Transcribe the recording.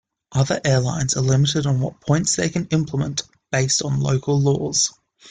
Other airlines are limited on what points they can implement based on local laws.